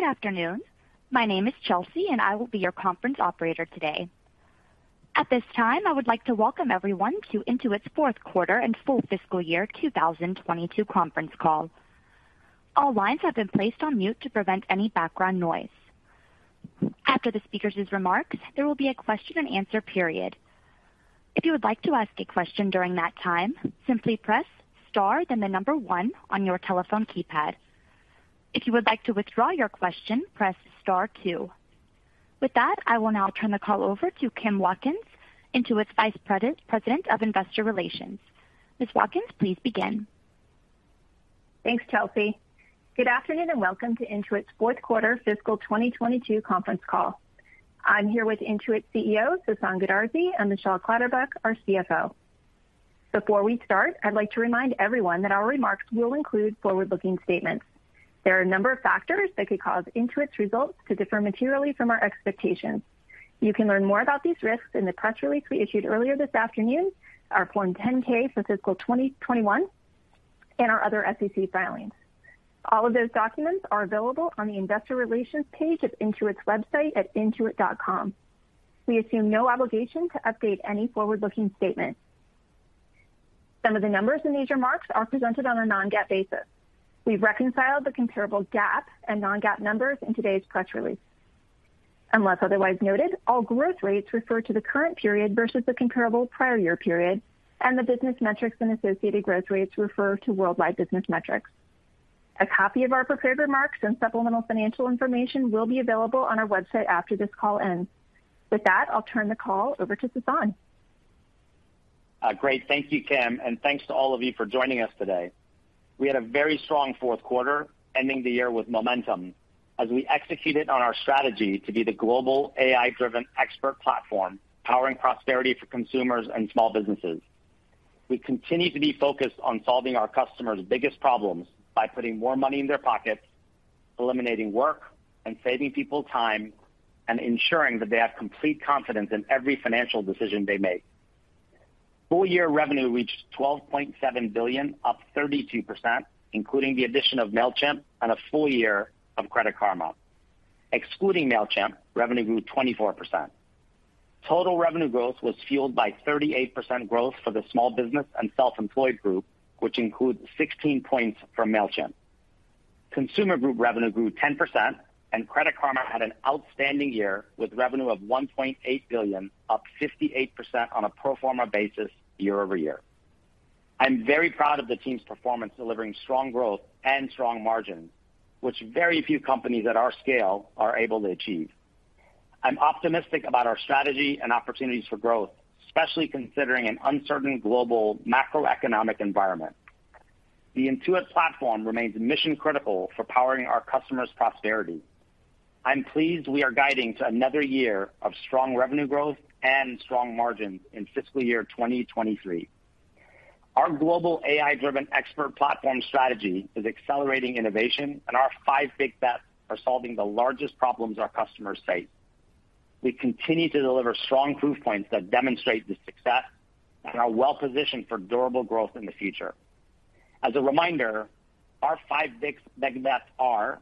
Good afternoon. My name is Chelsea and I will be your conference operator today. At this time, I would like to welcome everyone to Intuit's fourth quarter and full fiscal year 2022 conference call. All lines have been placed on mute to prevent any background noise. After the speakers' remarks, there will be a question and answer period. If you would like to ask a question during that time, simply press star then the number one on your telephone keypad. If you would like to withdraw your question, press star two. With that, I will now turn the call over to Kim Watkins, Intuit's Vice President of Investor Relations. Ms. Watkins, please begin. Thanks, Chelsea. Good afternoon and welcome to Intuit's fourth quarter fiscal 2022 conference call. I'm here with Intuit's CEO, Sasan Goodarzi, and Michelle Clatterbuck, our CFO. Before we start, I'd like to remind everyone that our remarks will include forward-looking statements. There are a number of factors that could cause Intuit's results to differ materially from our expectations. You can learn more about these risks in the press release we issued earlier this afternoon, our Form 10-K for fiscal 2021, and our other SEC filings. All of those documents are available on the investor relations page of Intuit's website at intuit.com. We assume no obligation to update any forward-looking statement. Some of the numbers in these remarks are presented on a non-GAAP basis. We've reconciled the comparable GAAP and non-GAAP numbers in today's press release. Unless otherwise noted, all growth rates refer to the current period versus the comparable prior year period, and the business metrics and associated growth rates refer to worldwide business metrics. A copy of our prepared remarks and supplemental financial information will be available on our website after this call ends. With that, I'll turn the call over to Sasan. Great. Thank you, Kim, and thanks to all of you for joining us today. We had a very strong fourth quarter, ending the year with momentum as we executed on our strategy to be the global AI-driven expert platform, powering prosperity for consumers and small businesses. We continue to be focused on solving our customers' biggest problems by putting more money in their pockets, eliminating work, and saving people time, and ensuring that they have complete confidence in every financial decision they make. Full year revenue reached $12.7 billion up 32%, including the addition of Mailchimp and a full year of Credit Karma. Excluding Mailchimp, revenue grew 24%. Total revenue growth was fueled by 38% growth for the small business and self-employed group, which includes 16 points from Mailchimp. Consumer group revenue grew 10%, and Credit Karma had an outstanding year with revenue of $1.8 billion, up 58% on a pro forma basis year-over-year. I'm very proud of the team's performance, delivering strong growth and strong margins, which very few companies at our scale are able to achieve. I'm optimistic about our strategy and opportunities for growth, especially considering an uncertain global macroeconomic environment. The Intuit platform remains mission-critical for powering our customers' prosperity. I'm pleased we are guiding to another year of strong revenue growth and strong margins in fiscal year 2023. Our global AI-driven expert platform strategy is accelerating innovation, and our five big bets are solving the largest problems our customers face. We continue to deliver strong proof points that demonstrate this success and are well positioned for durable growth in the future. As a reminder, our five big bets are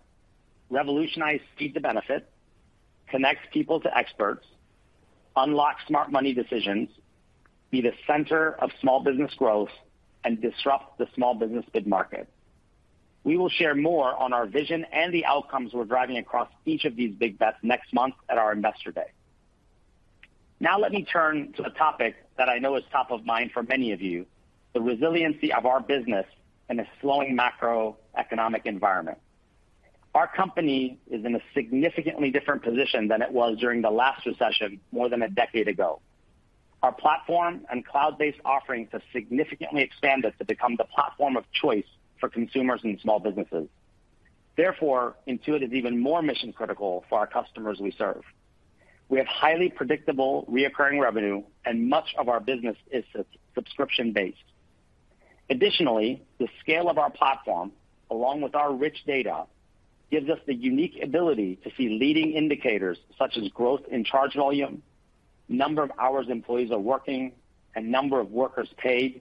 revolutionize speed to benefit, connect people to experts, unlock smart money decisions, be the center of small business growth, and disrupt the small business mid-market. We will share more on our vision and the outcomes we're driving across each of these big bets next month at our investor day. Now let me turn to a topic that I know is top of mind for many of you, the resiliency of our business in a slowing macroeconomic environment. Our company is in a significantly different position than it was during the last recession more than a decade ago. Our platform and cloud-based offerings have significantly expanded to become the platform of choice for consumers and small businesses. Therefore, Intuit is even more mission-critical for our customers we serve. We have highly predictable recurring revenue and much of our business is subscription-based. Additionally, the scale of our platform, along with our rich data, gives us the unique ability to see leading indicators such as growth in charge volume, number of hours employees are working, and number of workers paid,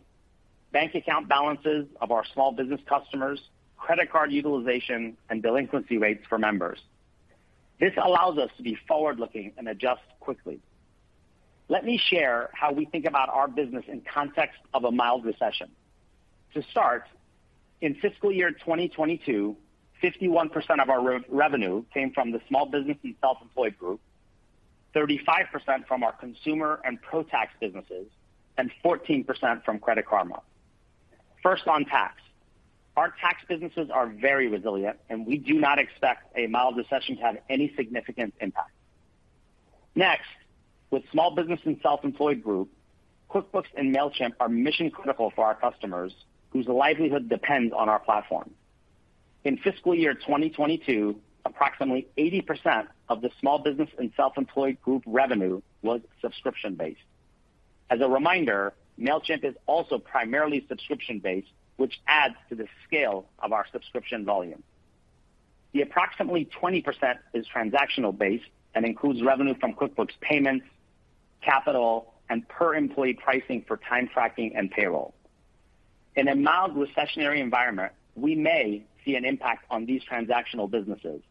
bank account balances of our small business customers, credit card utilization, and delinquency rates for members. This allows us to be forward-looking and adjust quickly. Let me share how we think about our business in context of a mild recession. To start, in fiscal year 2022, 51% of our revenue came from the small business and self-employed group, 35% from our consumer and pro tax businesses, and 14% from Credit Karma. First, on tax. Our tax businesses are very resilient and we do not expect a mild recession to have any significant impact. Next, with small business and self-employed group, QuickBooks and Mailchimp are mission-critical for our customers whose livelihood depends on our platform. In fiscal year 2022, approximately 80% of the small business and self-employed group revenue was subscription-based. As a reminder, Mailchimp is also primarily subscription-based, which adds to the scale of our subscription volume. The approximately 20% is transactional-based and includes revenue from QuickBooks payments, capital, and per employee pricing for time tracking and payroll. In a mild recessionary environment, we may see an impact on these transactional businesses.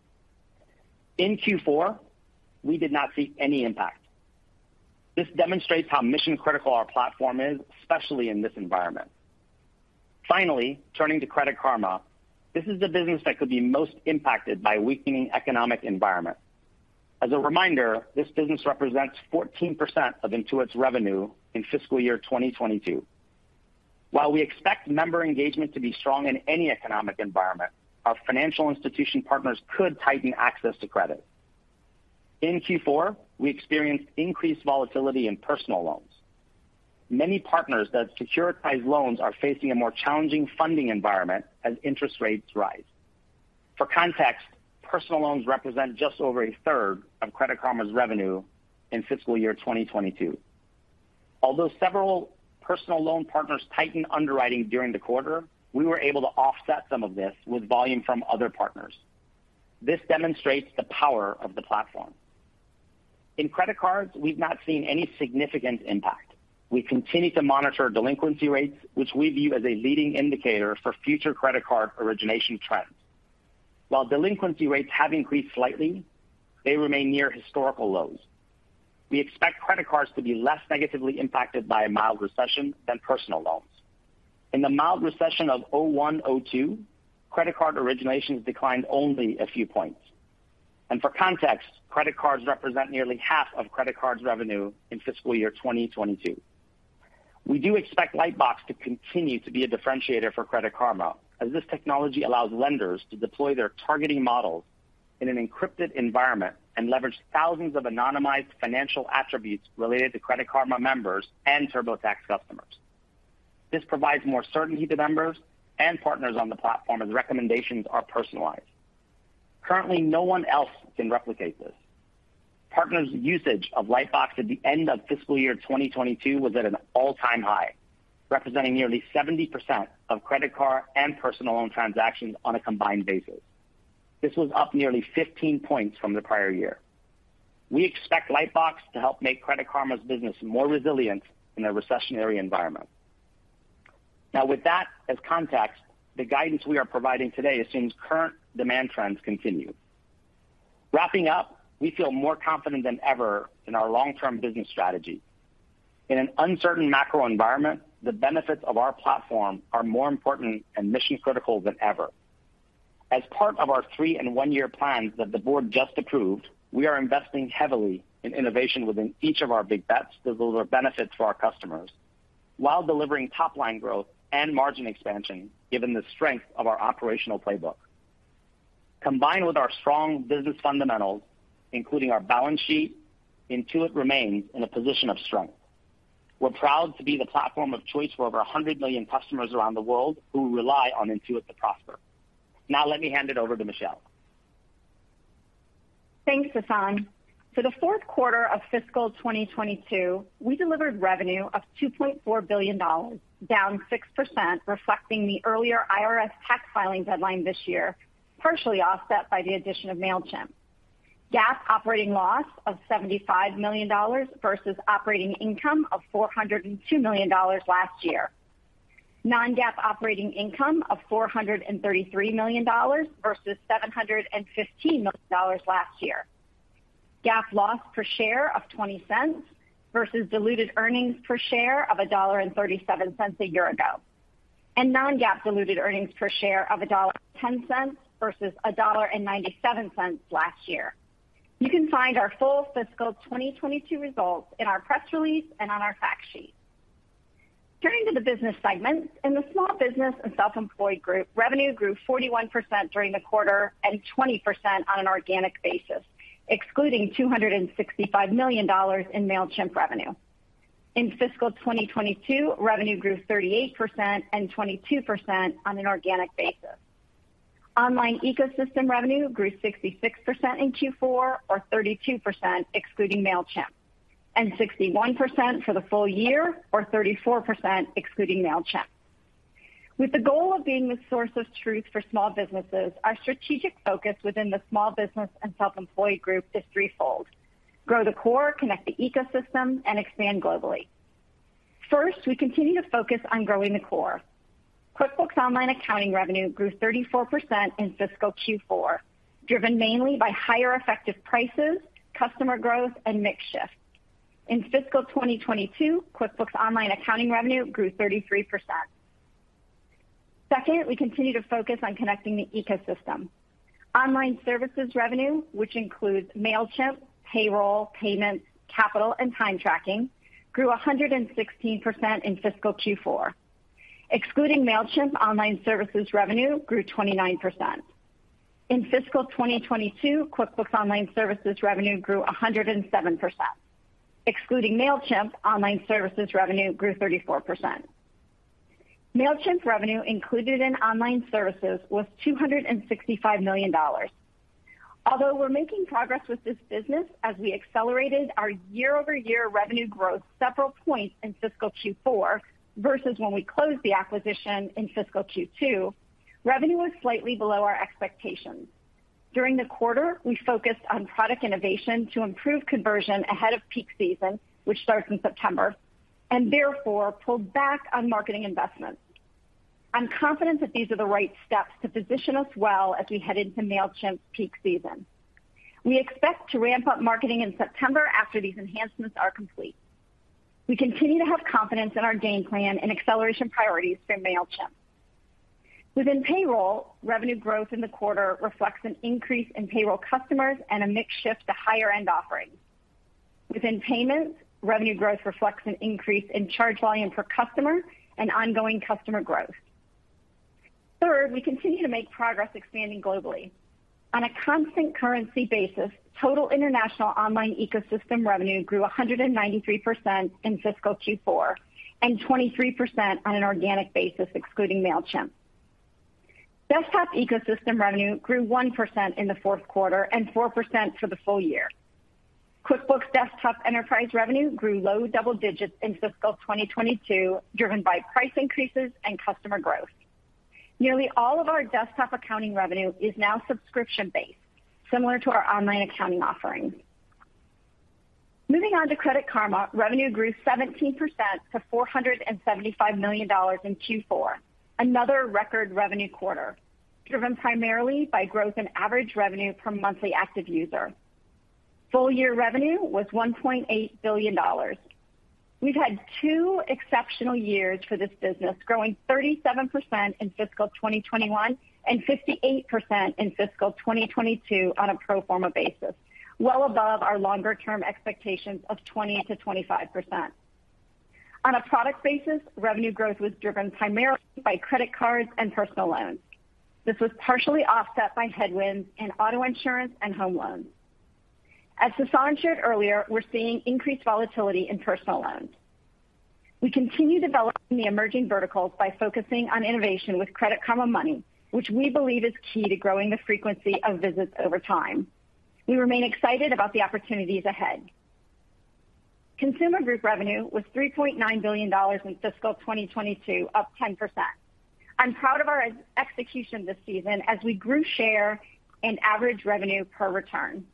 In Q4, we did not see any impact. This demonstrates how mission-critical our platform is, especially in this environment. Finally, turning to Credit Karma, this is the business that could be most impacted by weakening economic environment. As a reminder, this business represents 14% of Intuit's revenue in fiscal year 2022. While we expect member engagement to be strong in any economic environment, our financial institution partners could tighten access to credit. In Q4, we experienced increased volatility in personal loans. Many partners that securitize loans are facing a more challenging funding environment as interest rates rise. For context, personal loans represent just over 1/3 of Credit Karma's revenue in fiscal year 2022. Although several personal loan partners tightened underwriting during the quarter, we were able to offset some of this with volume from other partners. This demonstrates the power of the platform. In credit cards, we've not seen any significant impact. We continue to monitor delinquency rates, which we view as a leading indicator for future credit card origination trends. While delinquency rates have increased slightly, they remain near historical lows. We expect credit cards to be less negatively impacted by a mild recession than personal loans. In the mild recession of 2001, 2002, credit card originations declined only a few points. For context, credit cards represent nearly half of Credit Karma revenue in fiscal year 2022. We do expect Lightbox to continue to be a differentiator for Credit Karma, as this technology allows lenders to deploy their targeting models in an encrypted environment and leverage thousands of anonymized financial attributes related to Credit Karma members and TurboTax customers. This provides more certainty to members and partners on the platform as recommendations are personalized. Currently, no one else can replicate this. Partners' usage of Lightbox at the end of fiscal year 2022 was at an all-time high, representing nearly 70% of credit card and personal loan transactions on a combined basis. This was up nearly 15 points from the prior year. We expect Lightbox to help make Credit Karma's business more resilient in a recessionary environment. Now with that as context, the guidance we are providing today assumes current demand trends continue. Wrapping up, we feel more confident than ever in our long-term business strategy. In an uncertain macro environment, the benefits of our platform are more important and mission-critical than ever. As part of our three and one-year plans that the board just approved, we are investing heavily in innovation within each of our big bets to deliver benefits to our customers while delivering top-line growth and margin expansion, given the strength of our operational playbook. Combined with our strong business fundamentals, including our balance sheet, Intuit remains in a position of strength. We're proud to be the platform of choice for over a hundred million customers around the world who rely on Intuit to prosper. Now let me hand it over to Michelle. Thanks, Sasan. For the fourth quarter of fiscal 2022, we delivered revenue of $2.4 billion, down 6%, reflecting the earlier IRS tax filing deadline this year, partially offset by the addition of Mailchimp. GAAP operating loss of $75 million versus operating income of $402 million last year. Non-GAAP operating income of $433 million versus $715 million last year. GAAP loss per share of $0.20 versus diluted earnings per share of $1.37 a year ago. Non-GAAP diluted earnings per share of $1.10 versus $1.97 last year. You can find our full fiscal 2022 results in our press release and on our fact sheet. Turning to the business segments, in the small business and self-employed group, revenue grew 41% during the quarter and 20% on an organic basis, excluding $265 million in Mailchimp revenue. In fiscal 2022, revenue grew 38% and 22% on an organic basis. Online ecosystem revenue grew 66% in Q4, or 32% excluding Mailchimp, and 61% for the full year, or 34% excluding Mailchimp. With the goal of being the source of truth for small businesses, our strategic focus within the small business and self-employed group is threefold. Grow the core, connect the ecosystem, and expand globally. First, we continue to focus on growing the core. QuickBooks Online accounting revenue grew 34% in fiscal Q4, driven mainly by higher effective prices, customer growth, and mix shift. In fiscal 2022, QuickBooks Online accounting revenue grew 33%. Second, we continue to focus on connecting the ecosystem. Online services revenue, which includes Mailchimp, payroll, payments, capital, and time tracking, grew 116% in fiscal Q4. Excluding Mailchimp, online services revenue grew 29%. In fiscal 2022, QuickBooks Online services revenue grew 107%. Excluding Mailchimp, online services revenue grew 34%. Mailchimp's revenue included in online services was $265 million. Although we're making progress with this business as we accelerated our year-over-year revenue growth several points in fiscal Q4 versus when we closed the acquisition in fiscal Q2, revenue was slightly below our expectations. During the quarter, we focused on product innovation to improve conversion ahead of peak season, which starts in September and therefore pulled back on marketing investments. I'm confident that these are the right steps to position us well as we head into Mailchimp's peak season. We expect to ramp up marketing in September after these enhancements are complete. We continue to have confidence in our game plan and acceleration priorities through Mailchimp. Within Payroll, revenue growth in the quarter reflects an increase in payroll customers and a mix shift to higher-end offerings. Within Payments, revenue growth reflects an increase in charge volume per customer and ongoing customer growth. Third, we continue to make progress expanding globally. On a constant currency basis, total international online ecosystem revenue grew 193% in fiscal Q4 and 23% on an organic basis excluding Mailchimp. Desktop ecosystem revenue grew 1% in the fourth quarter and 4% for the full year. QuickBooks Desktop enterprise revenue grew low double digits in fiscal 2022, driven by price increases and customer growth. Nearly all of our desktop accounting revenue is now subscription-based, similar to our online accounting offerings. Moving on to Credit Karma, revenue grew 17% to $475 million in Q4, another record revenue quarter, driven primarily by growth in average revenue per monthly active user. Full year revenue was $1.8 billion. We've had two exceptional years for this business, growing 37% in fiscal 2021 and 58% in fiscal 2022 on a pro forma basis, well above our longer-term expectations of 20%-25%. On a product basis, revenue growth was driven primarily by credit cards and personal loans. This was partially offset by headwinds in auto insurance and home loans. As Sasan shared earlier, we're seeing increased volatility in personal loans. We continue developing the emerging verticals by focusing on innovation with Credit Karma Money, which we believe is key to growing the frequency of visits over time. We remain excited about the opportunities ahead. Consumer group revenue was $3.9 billion in fiscal 2022, up 10%. I'm proud of our execution this season as we grew share and average revenue per return.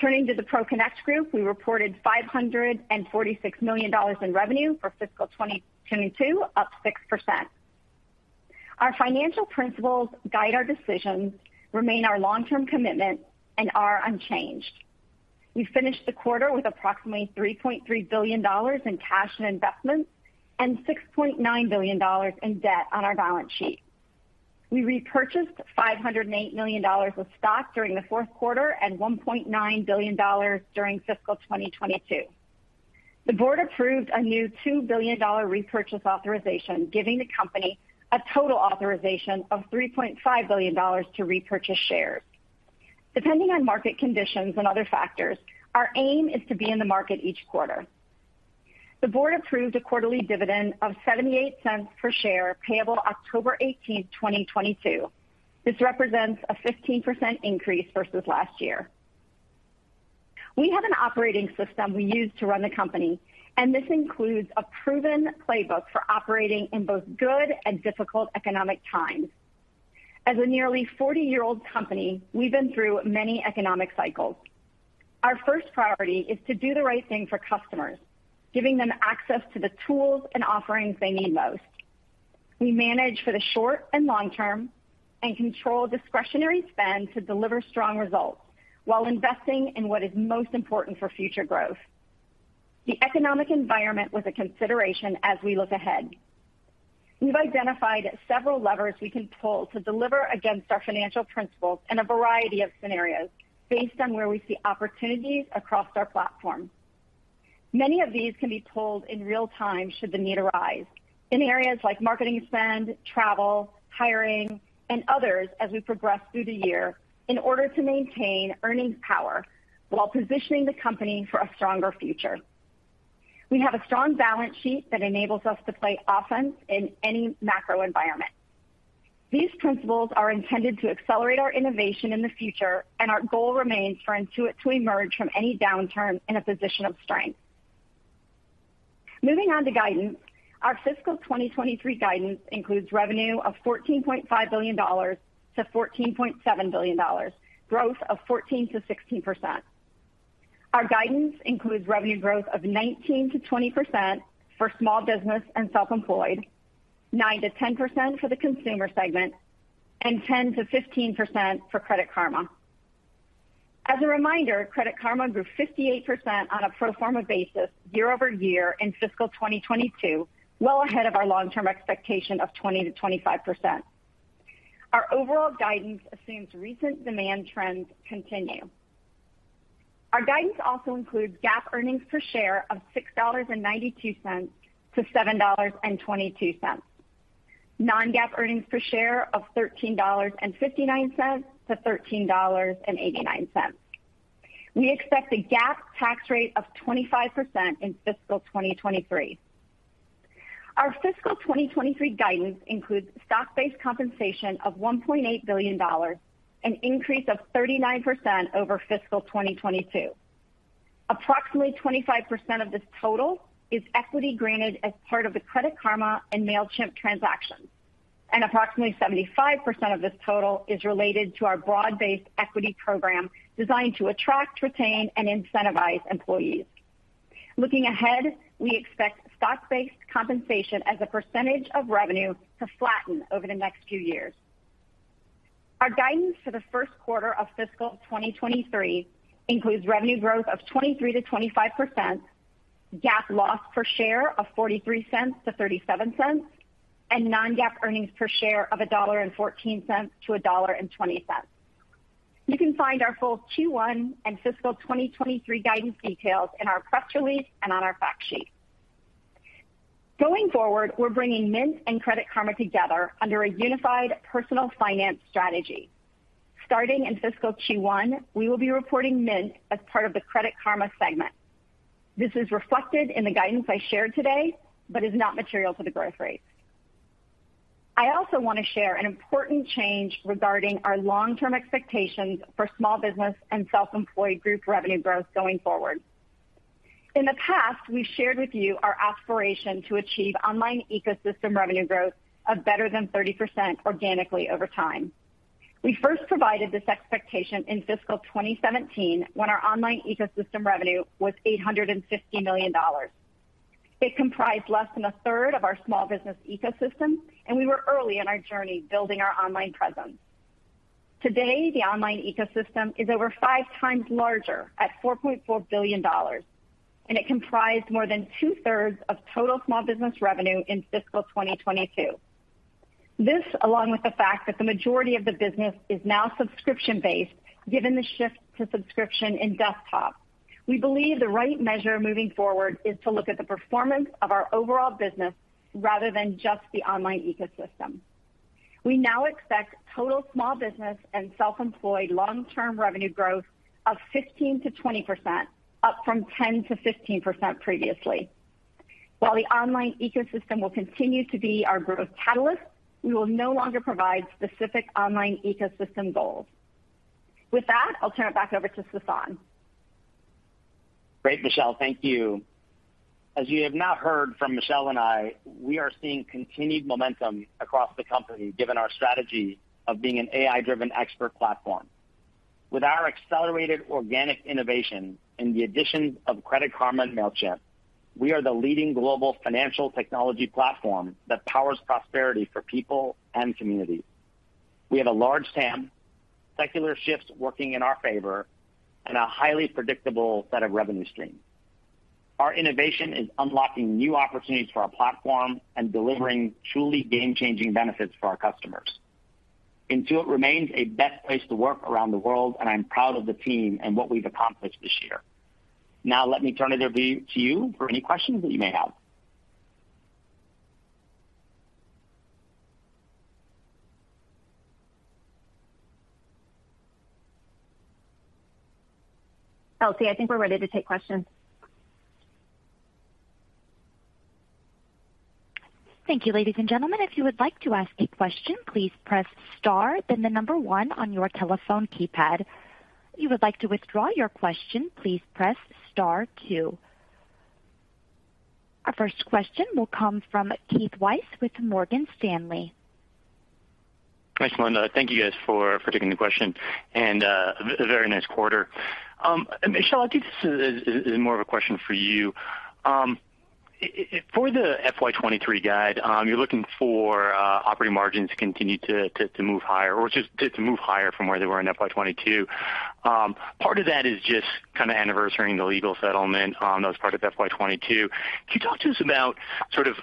Turning to the ProConnect Group, we reported $546 million in revenue for fiscal 2022, up 6%. Our financial principles guide our decisions, remain our long-term commitment, and are unchanged. We finished the quarter with approximately $3.3 billion in cash and investments and $6.9 billion in debt on our balance sheet. We repurchased $508 million of stock during the fourth quarter and $1.9 billion during fiscal 2022. The board approved a new $2 billion repurchase authorization, giving the company a total authorization of $3.5 billion to repurchase shares. Depending on market conditions and other factors, our aim is to be in the market each quarter. The board approved a quarterly dividend of $0.78 per share payable October 18th, 2022. This represents a 15% increase versus last year. We have an operating system we use to run the company, and this includes a proven playbook for operating in both good and difficult economic times. As a nearly 40-year-old company, we've been through many economic cycles. Our first priority is to do the right thing for customers, giving them access to the tools and offerings they need most. We manage for the short and long term and control discretionary spend to deliver strong results while investing in what is most important for future growth. The economic environment was a consideration as we look ahead. We've identified several levers we can pull to deliver against our financial principles in a variety of scenarios based on where we see opportunities across our platform. Many of these can be pulled in real time should the need arise in areas like marketing spend, travel, hiring, and others as we progress through the year in order to maintain earnings power while positioning the company for a stronger future. We have a strong balance sheet that enables us to play offense in any macro environment. These principles are intended to accelerate our innovation in the future, and our goal remains for Intuit to emerge from any downturn in a position of strength. Moving on to guidance. Our fiscal 2023 guidance includes revenue of $14.5 billion-$14.7 billion, growth of 14%-16%. Our guidance includes revenue growth of 19%-20% for small business and self-employed, 9%-10% for the consumer segment, and 10%-15% for Credit Karma. As a reminder, Credit Karma grew 58% on a pro forma basis year-over-year in fiscal 2022, well ahead of our long-term expectation of 20%-25%. Our overall guidance assumes recent demand trends continue. Our guidance also includes GAAP earnings per share of $6.92-$7.22. Non-GAAP earnings per share of $13.59-$13.89. We expect a GAAP tax rate of 25% in fiscal 2023. Our fiscal 2023 guidance includes stock-based compensation of $1.8 billion, an increase of 39% over fiscal 2022. Approximately 25% of this total is equity granted as part of the Credit Karma and Mailchimp transactions, and approximately 75% of this total is related to our broad-based equity program designed to attract, retain, and incentivize employees. Looking ahead, we expect stock-based compensation as a percentage of revenue to flatten over the next few years. Our guidance for the first quarter of fiscal 2023 includes revenue growth of 23%-25%, GAAP loss per share of $0.43-$0.37, and non-GAAP earnings per share of $1.14-$1.20. You can find our full Q1 and fiscal 2023 guidance details in our press release and on our fact sheet. Going forward, we're bringing Mint and Credit Karma together under a unified personal finance strategy. Starting in fiscal Q1, we will be reporting Mint as part of the Credit Karma segment. This is reflected in the guidance I shared today, but is not material to the growth rate. I also want to share an important change regarding our long-term expectations for small business and self-employed group revenue growth going forward. In the past, we've shared with you our aspiration to achieve online ecosystem revenue growth of better than 30% organically over time. We first provided this expectation in fiscal 2017 when our online ecosystem revenue was $850 million. It comprised less than a third of our small business ecosystem, and we were early in our journey building our online presence. Today, the online ecosystem is over 5x larger at $4.4 billion, and it comprised more than two-thirds of total small business revenue in fiscal 2022. This, along with the fact that the majority of the business is now subscription-based, given the shift to subscription in desktop, we believe the right measure moving forward is to look at the performance of our overall business rather than just the online ecosystem. We now expect total small business and self-employed long-term revenue growth of 15%-20%, up from 10%-15% previously. While the online ecosystem will continue to be our growth catalyst, we will no longer provide specific online ecosystem goals. With that, I'll turn it back over to Sasan. Great, Michelle. Thank you. As you have now heard from Michelle and I, we are seeing continued momentum across the company given our strategy of being an AI-driven expert platform. With our accelerated organic innovation and the addition of Credit Karma and Mailchimp, we are the leading global financial technology platform that powers prosperity for people and communities. We have a large TAM, secular shifts working in our favor, and a highly predictable set of revenue streams. Our innovation is unlocking new opportunities for our platform and delivering truly game-changing benefits for our customers. Intuit remains a best place to work around the world, and I'm proud of the team and what we've accomplished this year. Now let me turn it over to you for any questions that you may have. Chelsea, I think we're ready to take questions. Thank you, ladies and gentlemen. If you would like to ask a question, please press star then the number one on your telephone keypad. If you would like to withdraw your question, please press star two. Our first question will come from Keith Weiss with Morgan Stanley. Thanks, Chelsea. Thank you guys for taking the question. Very nice quarter. Michelle, I think this is more of a question for you. For the FY 2023 guide, you're looking for operating margins to continue to move higher or just to move higher from where they were in FY 2022. Part of that is just kinda anniversarying the legal settlement that was part of FY 2022. Can you talk to us about sort of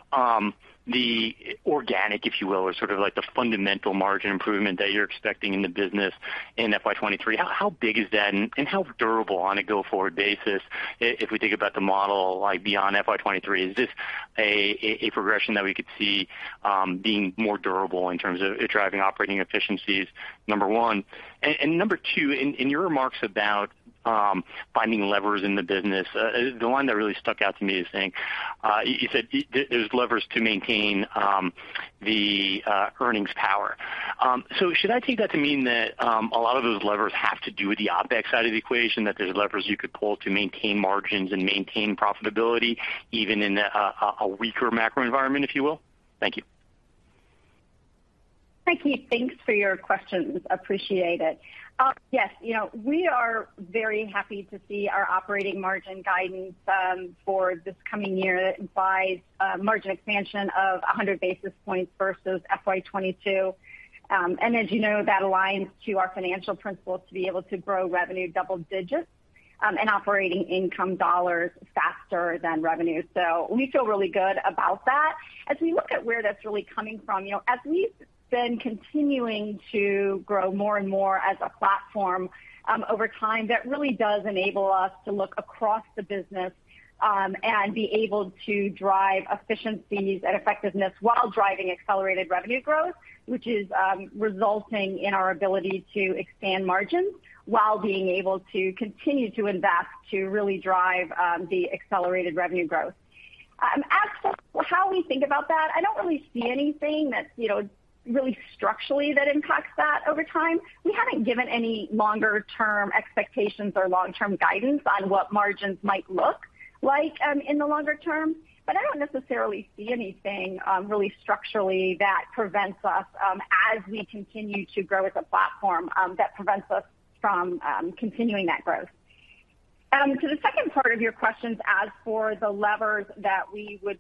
the organic, if you will, or sort of like the fundamental margin improvement that you're expecting in the business in FY 2023? How big is that and how durable on a go-forward basis if we think about the model like beyond FY 2023? Is this a progression that we could see being more durable in terms of driving operating efficiencies, number one? Number two, in your remarks about finding levers in the business, the one that really stuck out to me is saying you said there's levers to maintain the earnings power. Should I take that to mean that a lot of those levers have to do with the OpEx side of the equation, that there's levers you could pull to maintain margins and maintain profitability even in a weaker macro environment, if you will? Thank you. Hi, Keith. Thanks for your questions. Appreciate it. Yes, you know, we are very happy to see our operating margin guidance for this coming year by margin expansion of 100 basis points versus FY 2022. As you know, that aligns to our financial principles to be able to grow revenue double digits and operating income dollars faster than revenue. We feel really good about that. As we look at where that's really coming from, you know, as we've been continuing to grow more and more as a platform over time, that really does enable us to look across the business and be able to drive efficiencies and effectiveness while driving accelerated revenue growth, which is resulting in our ability to expand margins while being able to continue to invest to really drive the accelerated revenue growth. How we think about that, I don't really see anything that's, you know, really structurally that impacts that over time. We haven't given any longer-term expectations or long-term guidance on what margins might look like in the longer term. I don't necessarily see anything really structurally that prevents us, as we continue to grow as a platform, that prevents us from continuing that growth. To the second part of your questions, as for the levers that we would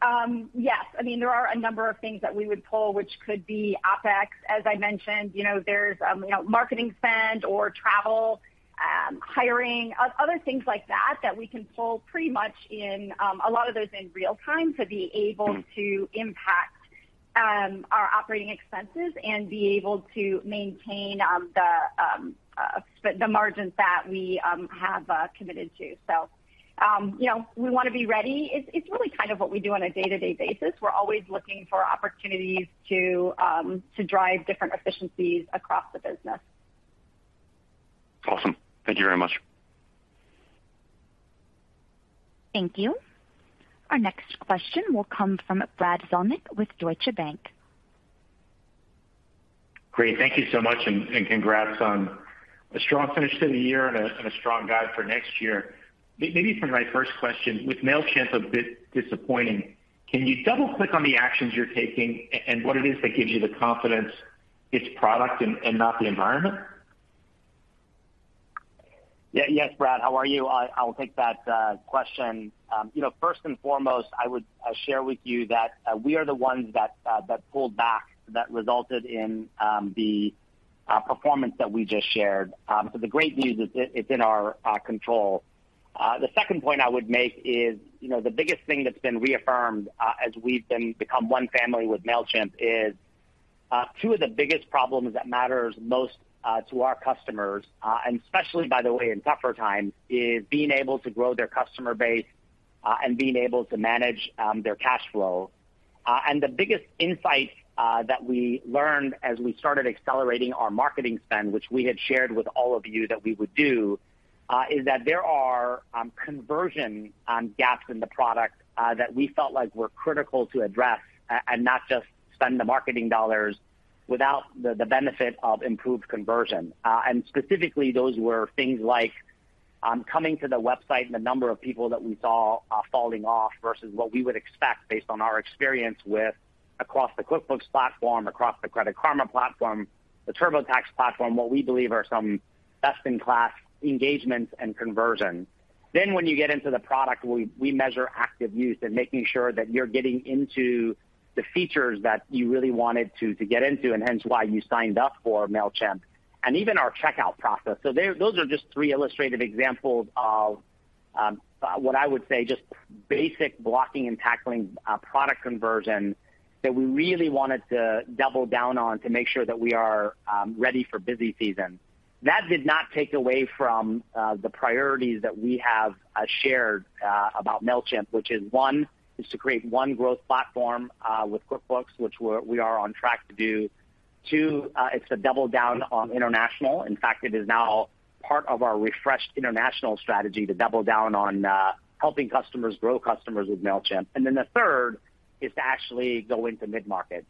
pull, yes, I mean, there are a number of things that we would pull, which could be OpEx, as I mentioned. You know, there's you know, marketing spend or travel, hiring, other things like that we can pull pretty much in a lot of those in real time to be able... Mm. to impact our operating expenses and be able to maintain the margins that we have committed to. You know, we wanna be ready. It's really kind of what we do on a day-to-day basis. We're always looking for opportunities to drive different efficiencies across the business. Awesome. Thank you very much. Thank you. Our next question will come from Brad Zelnick with Deutsche Bank. Great. Thank you so much, and congrats on a strong finish to the year and a strong guide for next year. Maybe for my first question, with Mailchimp a bit disappointing, can you double-click on the actions you're taking and what it is that gives you the confidence it's product and not the environment? Yeah. Yes, Brad. How are you? I will take that question. You know, first and foremost, I would share with you that we are the ones that pulled back that resulted in the performance that we just shared. The great news is it's in our control. The second point I would make is, you know, the biggest thing that's been reaffirmed as we've become one family with Mailchimp is two of the biggest problems that matters most to our customers and especially, by the way, in tougher times, is being able to grow their customer base and being able to manage their cash flow. The biggest insight that we learned as we started accelerating our marketing spend, which we had shared with all of you that we would do, is that there are conversion gaps in the product that we felt like were critical to address and not just spend the marketing dollars without the benefit of improved conversion. Specifically, those were things like coming to the website and the number of people that we saw falling off versus what we would expect based on our experience with across the QuickBooks platform, across the Credit Karma platform, the TurboTax platform, what we believe are some best-in-class engagements and conversion. When you get into the product, we measure active use and making sure that you're getting into the features that you really wanted to get into, and hence why you signed up for Mailchimp, and even our checkout process. Those are just three illustrative examples of what I would say just basic blocking and tackling product conversion that we really wanted to double down on to make sure that we are ready for busy season. That did not take away from the priorities that we have shared about Mailchimp, which is one, to create one growth platform with QuickBooks, which we are on track to do. Two, it's to double down on international. In fact, it is now part of our refreshed international strategy to double down on helping customers grow customers with Mailchimp. Then the third is to actually go into mid-market.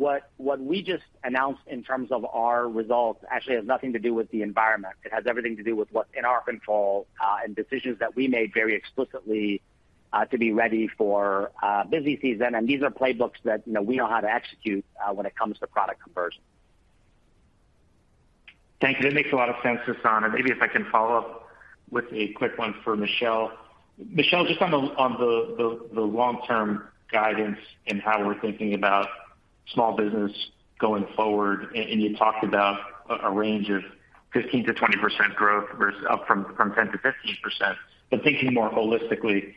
What we just announced in terms of our results actually has nothing to do with the environment. It has everything to do with what's in our control and decisions that we made very explicitly to be ready for busy season, and these are playbooks that, you know, we know how to execute when it comes to product conversion. Thank you. That makes a lot of sense, Sasan. Maybe if I can follow up with a quick one for Michelle. Michelle, just on the long-term guidance and how we're thinking about small business going forward, and you talked about a range of 15%-20% growth versus up from 10%-15%. But thinking more holistically,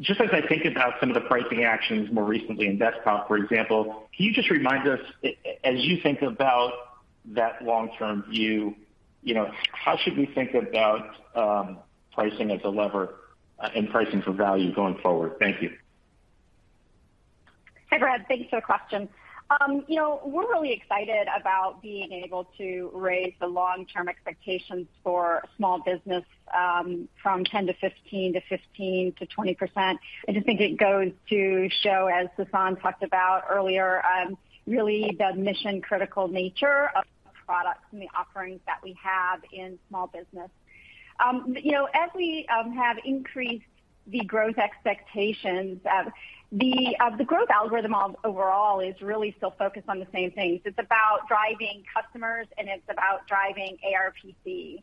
just as I think about some of the pricing actions more recently in Desktop, for example, can you just remind us as you think about that long-term view, you know, how should we think about pricing as a lever, and pricing for value going forward? Thank you. Hi, Brad. Thanks for the question. You know, we're really excited about being able to raise the long-term expectations for small business from 10-15% to 15-20%. I just think it goes to show, as Sasan talked about earlier, really the mission-critical nature of the products and the offerings that we have in small business. You know, as we have increased the growth expectations, the growth algorithm overall is really still focused on the same things. It's about driving customers and it's about driving ARPC.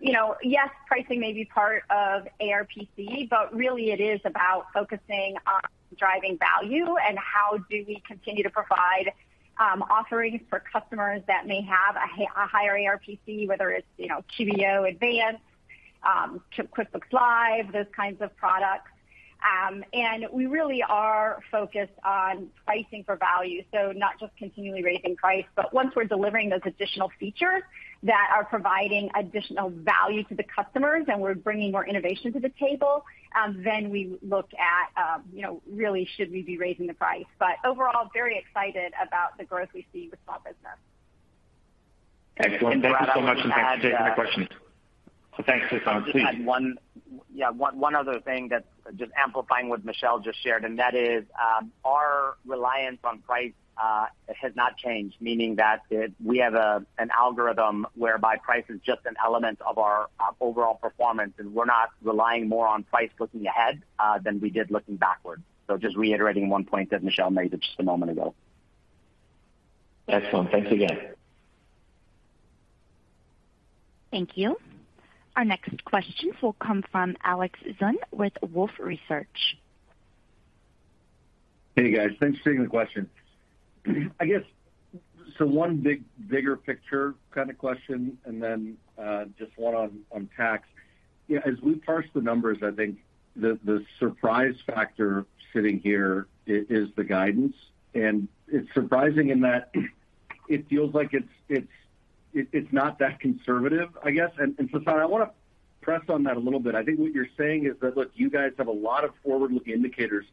You know, yes, pricing may be part of ARPC, but really it is about focusing on driving value and how do we continue to provide offerings for customers that may have a higher ARPC, whether it's QBO Advanced, QuickBooks Live, those kinds of products. We really are focused on pricing for value, so not just continually raising price, but once we're delivering those additional features that are providing additional value to the customers and we're bringing more innovation to the table, then we look at, you know, really should we be raising the price. Overall, very excited about the growth we see with small business. Excellent. Thank you so much, and thanks for taking the question. Thanks, Sasan, please. Just to add one other thing that's just amplifying what Michelle just shared, and that is, our reliance on price has not changed, meaning that we have an algorithm whereby price is just an element of our overall performance, and we're not relying more on price looking ahead than we did looking backwards. Just reiterating one point that Michelle made just a moment ago. Excellent. Thanks again. Thank you. Our next questions will come from Alex Zukin with Wolfe Research. Hey, guys. Thanks for taking the question. I guess one bigger picture kind of question and then just one on tax. You know, as we parse the numbers, I think the surprise factor sitting here is the guidance and it's surprising in that it feels like it's not that conservative, I guess. Sasan, I want to press on that a little bit. I think what you're saying is that, look, you guys have a lot of forward-looking indicators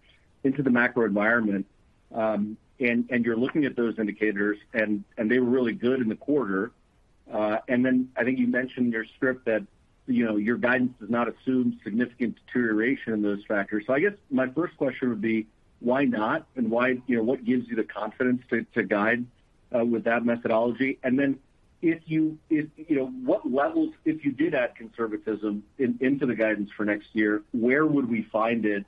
into the macro environment and you're looking at those indicators and they were really good in the quarter. Then I think you mentioned in your script that, you know, your guidance does not assume significant deterioration in those factors. I guess my first question would be why not? Why, you know, what gives you the confidence to guide with that methodology? Then if you know, what levels, if you did add conservatism into the guidance for next year, where would we find it?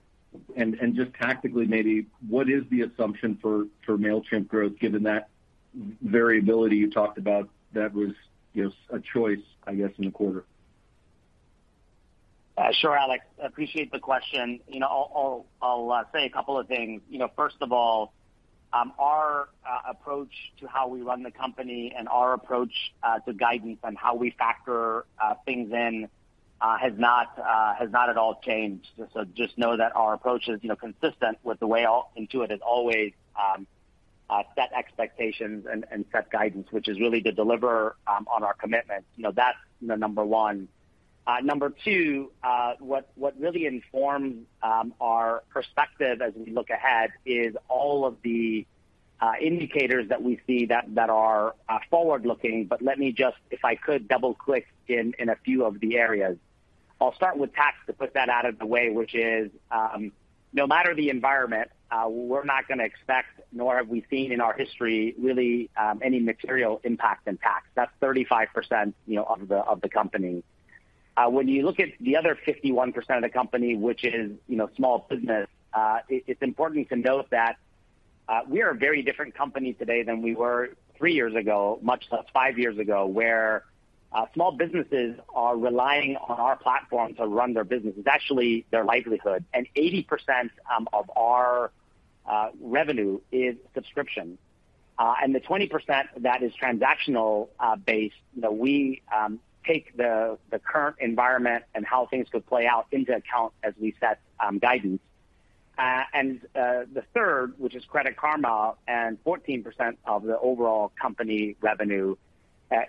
Just tactically, maybe what is the assumption for Mailchimp growth given that variability you talked about that was, you know, a choice, I guess, in the quarter? Sure, Alex, appreciate the question. You know, I'll say a couple of things. You know, first of all, our approach to how we run the company and our approach to guidance and how we factor things in has not at all changed. Just know that our approach is, you know, consistent with the way Intuit has always set expectations and set guidance, which is really to deliver on our commitments. You know, that's the number one. Number two, what really informed our perspective as we look ahead is all of the indicators that we see that are forward-looking, but let me just, if I could, double-click in a few of the areas. I'll start with tax to put that out of the way, which is, no matter the environment, we're not gonna expect, nor have we seen in our history really, any material impact in tax. That's 35%, you know, of the company. When you look at the other 51% of the company, which is, you know, small business, it's important to note that we are a very different company today than we were three years ago, much less five years ago, where small businesses are relying on our platform to run their business. It's actually their livelihood, and 80% of our revenue is subscription. The 20% that is transactional based, you know, we take the current environment and how things could play out into account as we set guidance. The third, which is Credit Karma and 14% of the overall company revenue,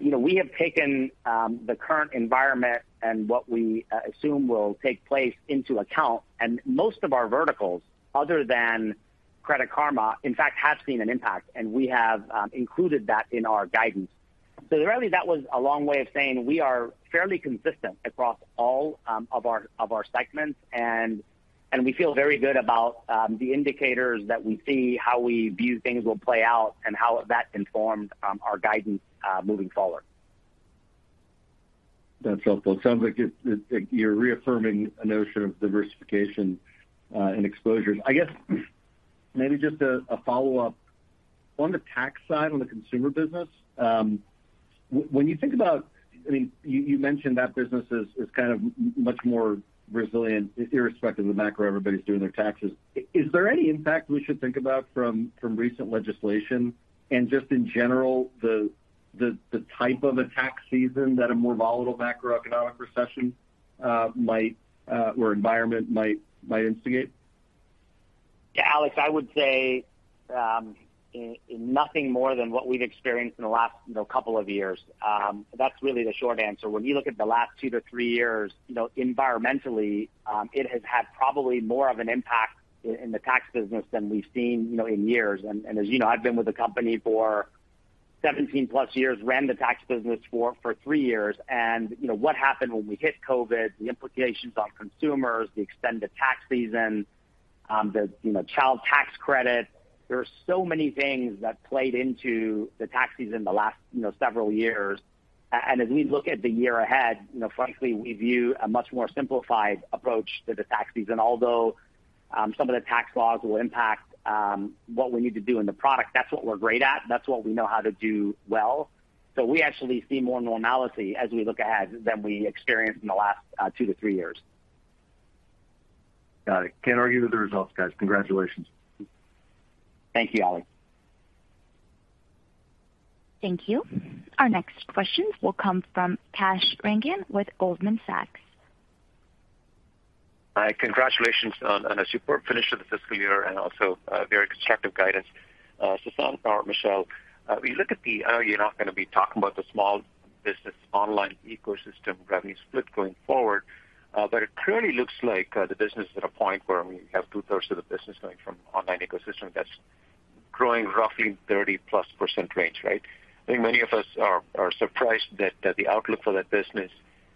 you know, we have taken the current environment and what we assume will take place into account, and most of our verticals other than Credit Karma in fact have seen an impact, and we have included that in our guidance. Really that was a long way of saying we are fairly consistent across all of our segments and we feel very good about the indicators that we see, how we view things will play out and how that informs our guidance moving forward. That's helpful. It sounds like it like you're reaffirming a notion of diversification and exposure. I guess maybe just a follow-up. On the tax side, on the consumer business, when you think about, I mean, you mentioned that business is kind of much more resilient irrespective of the macro, everybody's doing their taxes. Is there any impact we should think about from recent legislation and just in general the type of a tax season that a more volatile macroeconomic recession might or environment might instigate? Yeah, Alex, I would say, nothing more than what we've experienced in the last, you know, couple of years. That's really the short answer. When you look at the last two to three years, you know, environmentally, it has had probably more of an impact in the tax business than we've seen, you know, in years. As you know, I've been with the company for 17+ years, ran the tax business for three years. You know, what happened when we hit COVID, the implications on consumers, the extended tax season, the child tax credit, there are so many things that played into the tax season the last, you know, several years. As we look at the year ahead, you know, frankly, we view a much more simplified approach to the tax season. Although some of the tax laws will impact what we need to do in the product, that's what we're great at, that's what we know how to do well. We actually see more normalcy as we look ahead than we experienced in the last two to three years. Got it. Can't argue with the results, guys. Congratulations. Thank you, Alex. Thank you. Our next questions will come from Kash Rangan with Goldman Sachs. Hi. Congratulations on a superb finish to the fiscal year and also very constructive guidance. Sasan or Michelle, we look at the. I know you're not gonna be talking about the small business online ecosystem revenue split going forward. But it clearly looks like the business is at a point where, I mean, you have two-thirds of the business coming from online ecosystem that's growing roughly 30%+ range, right? I think many of us are surprised that the outlook for that business,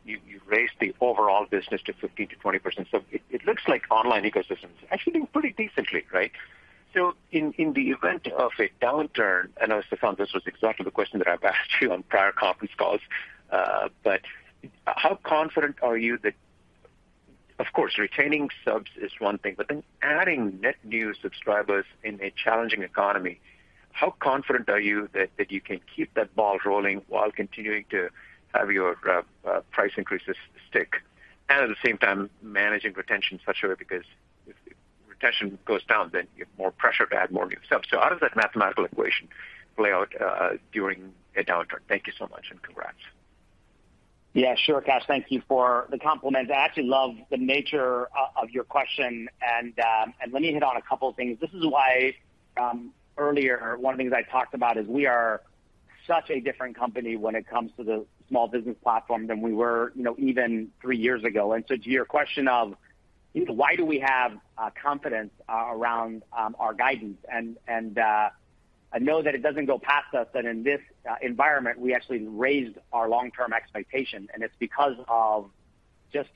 you raised the overall business to 15%-20%. It looks like online ecosystem is actually doing pretty decently, right? In the event of a downturn, and I know, Sasan, this was exactly the question that I've asked you on prior conference calls. But how confident are you that Of course, retaining subs is one thing, but then adding net new subscribers in a challenging economy, how confident are you that you can keep that ball rolling while continuing to have your price increases stick, and at the same time managing retention in such a way because if retention goes down, then you have more pressure to add more new subs. How does that mathematical equation play out during a downturn? Thank you so much, and congrats. Yeah, sure, Kash. Thank you for the compliment. I actually love the nature of your question, and let me hit on a couple of things. This is why earlier one of the things I talked about is we are such a different company when it comes to the small business platform than we were, you know, even three years ago. To your question of why do we have confidence around our guidance and I know that it doesn't go past us that in this environment, we actually raised our long-term expectation and it's because of just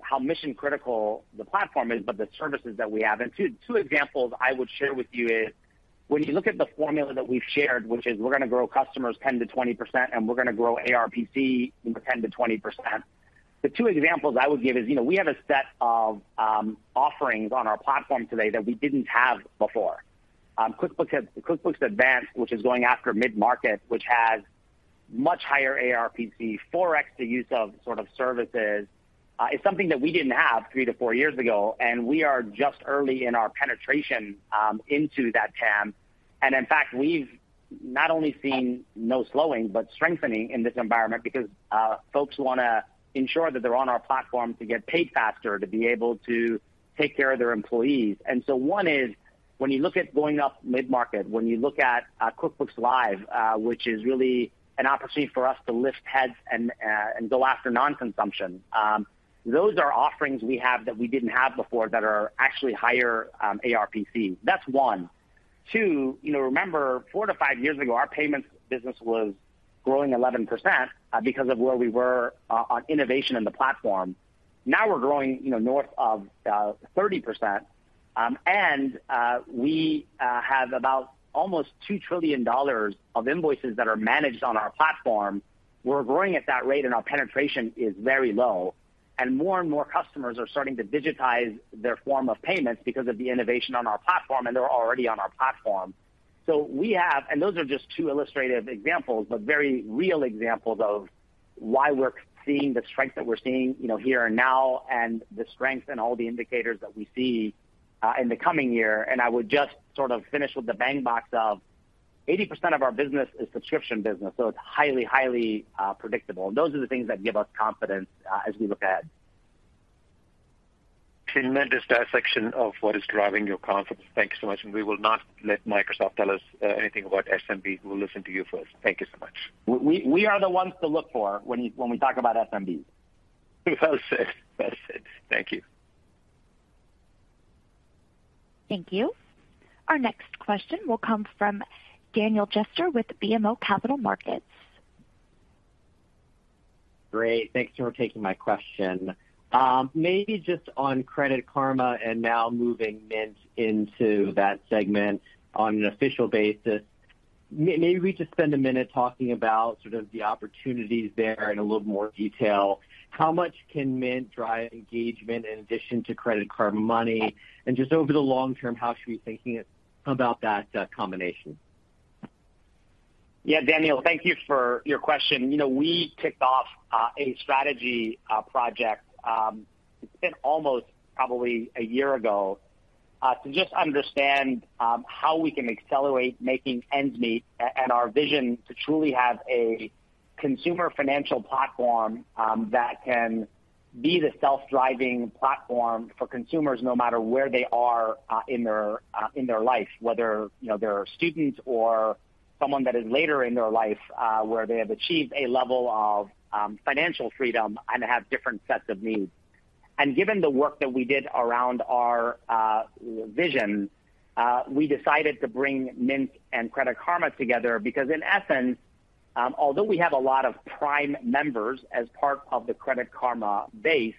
how mission-critical the platform is, but the services that we have. Two examples I would share with you is when you look at the formula that we've shared, which is we're gonna grow customers 10%-20% and we're gonna grow ARPC 10%-20%. The two examples I would give is, you know, we have a set of offerings on our platform today that we didn't have before. QuickBooks Advanced, which is going after mid-market, which has much higher ARPC, 4x the use of sort of services, is something that we didn't have three to four years ago and we are just early in our penetration into that TAM. In fact, we've not only seen no slowing but strengthening in this environment because folks wanna ensure that they're on our platform to get paid faster, to be able to take care of their employees. One is when you look at going up mid-market, when you look at QuickBooks Live, which is really an opportunity for us to lift heads and go after non-consumption. Those are offerings we have that we didn't have before that are actually higher ARPC. That's one. Two, you know, remember four to five years ago, our payments business was growing 11%, because of where we were on innovation in the platform. Now we're growing, you know, north of 30%. We have about almost $2 trillion of invoices that are managed on our platform. We're growing at that rate, and our penetration is very low, and more and more customers are starting to digitize their form of payments because of the innovation on our platform, and they're already on our platform. We have Those are just two illustrative examples, but very real examples of why we're seeing the strength that we're seeing, you know, here and now and the strength in all the indicators that we see in the coming year. I would just sort of finish with the bang box of 80% of our business is subscription business, so it's highly predictable. Those are the things that give us confidence as we look ahead. Tremendous dissection of what is driving your confidence. Thank you so much. We will not let Microsoft tell us anything about SMB. We'll listen to you first. Thank you so much. We are the ones to look for when we talk about SMB. Well said. Well said. Thank you. Thank you. Our next question will come from Daniel Jester with BMO Capital Markets. Great. Thanks for taking my question. Maybe just on Credit Karma and now moving Mint into that segment on an official basis, maybe we just spend a minute talking about sort of the opportunities there in a little more detail. How much can Mint drive engagement in addition to Credit Karma Money? And just over the long term, how should we be thinking about that combination? Yeah, Daniel, thank you for your question. You know, we kicked off a strategy project. It's been almost probably a year ago to just understand how we can accelerate making ends meet and our vision to truly have a consumer financial platform that can be the self-driving platform for consumers no matter where they are in their life, whether, you know, they're students or someone that is later in their life where they have achieved a level of financial freedom and have different sets of needs. Given the work that we did around our vision, we decided to bring Mint and Credit Karma together because in essence, although we have a lot of prime members as part of the Credit Karma base,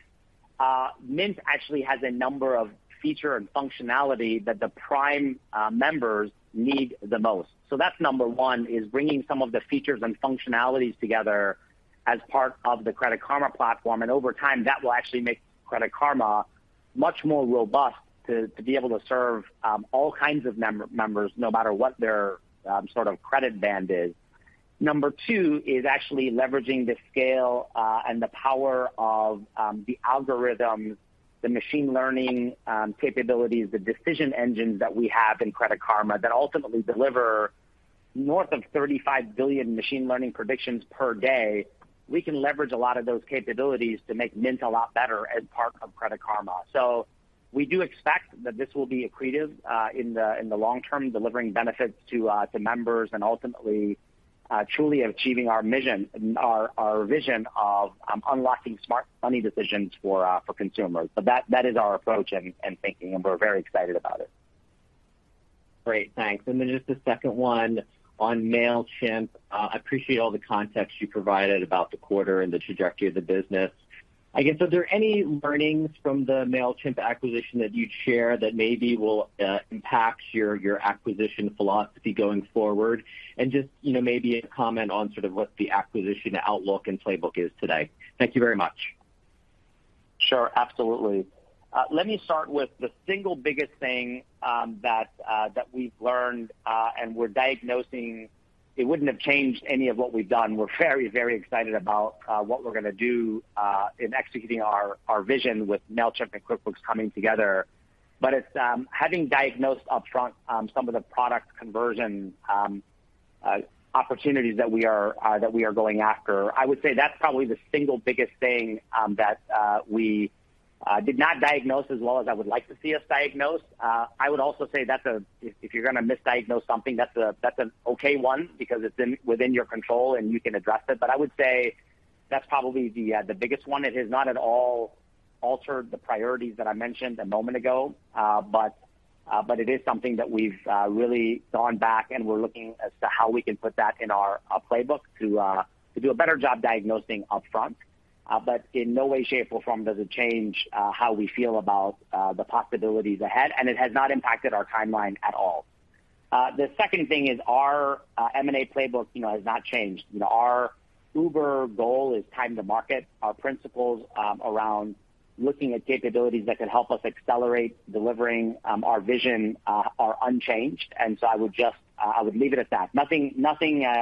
Mint actually has a number of features and functionalities that the prime members need the most. That's number one, is bringing some of the features and functionalities together as part of the Credit Karma platform, and over time, that will actually make Credit Karma much more robust to be able to serve all kinds of members no matter what their sort of credit band is. Number two is actually leveraging the scale, and the power of, the algorithms, the machine learning capabilities, the decision engines that we have in Credit Karma that ultimately deliver north of 35 billion machine learning predictions per day. We can leverage a lot of those capabilities to make Mint a lot better as part of Credit Karma. We do expect that this will be accretive, in the long term, delivering benefits to members and ultimately, truly achieving our mission and our vision of, unlocking smart money decisions for consumers. That is our approach and thinking, and we're very excited about it. Great. Thanks. Just a second one on Mailchimp. I appreciate all the context you provided about the quarter and the trajectory of the business. I guess, are there any learnings from the Mailchimp acquisition that you'd share that maybe will impact your acquisition philosophy going forward? Just, you know, maybe a comment on sort of what the acquisition outlook and playbook is today. Thank you very much. Sure. Absolutely. Let me start with the single biggest thing that we've learned and we're diagnosing. It wouldn't have changed any of what we've done. We're very, very excited about what we're gonna do in executing our vision with Mailchimp and QuickBooks coming together. It's having diagnosed upfront some of the product conversion opportunities that we are going after. I would say that's probably the single biggest thing that we did not diagnose as well as I would like to see us diagnose. I would also say that's a, if you're gonna misdiagnose something, that's an okay one because it's within your control, and you can address it. I would say that's probably the biggest one. It has not at all altered the priorities that I mentioned a moment ago, but it is something that we've really gone back, and we're looking at how we can put that in our playbook to do a better job diagnosing upfront. In no way, shape, or form does it change how we feel about the possibilities ahead, and it has not impacted our timeline at all. The second thing is our M&A playbook has not changed. Our uber goal is time to market. Our principles around looking at capabilities that could help us accelerate delivering our vision are unchanged. I would just leave it at that. Nothing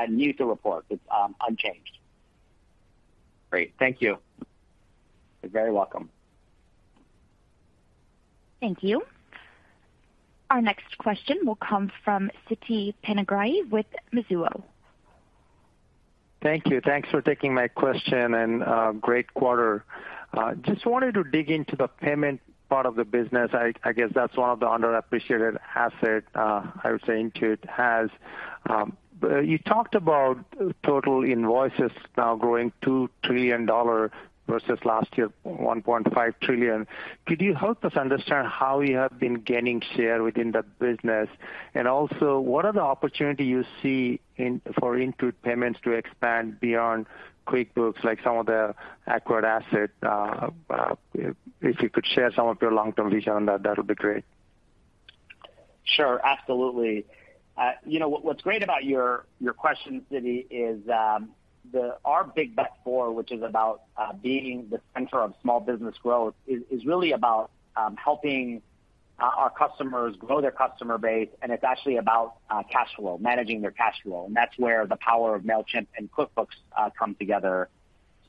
new to report. It's unchanged. Great. Thank you. You're very welcome. Thank you. Our next question will come from Siti Panigrahi with Mizuho. Thank you. Thanks for taking my question and great quarter. Just wanted to dig into the payment part of the business. I guess that's one of the underappreciated asset I would say Intuit has. You talked about total invoices now growing $2 trillion versus last year, $1.5 trillion. Could you help us understand how you have been gaining share within that business? And also, what are the opportunity you see in for Intuit payments to expand beyond QuickBooks, like some of the acquired asset? If you could share some of your long-term vision on that'll be great. Sure. Absolutely. You know what's great about your question, Siti, is our big bet four, which is about being the center of small business growth is really about helping our customers grow their customer base, and it's actually about cash flow, managing their cash flow, and that's where the power of Mailchimp and QuickBooks come together.